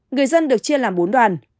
người dân được chia làm bốn đoàn